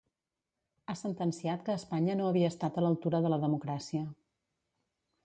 Ha sentenciat que Espanya no havia estat a l'altura de la democràcia.